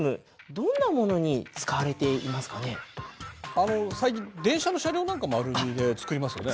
あの最近電車の車両なんかもアルミで造りますよね。